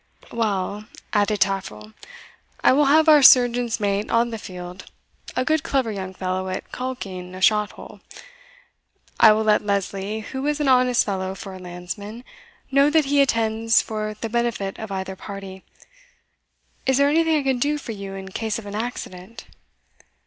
"Well," added Taffril, "I will have our surgeon's mate on the field a good clever young fellow at caulking a shot hole. I will let Lesley, who is an honest fellow for a landsman, know that he attends for the benefit of either party. Is there anything I can do for you in case of an accident?"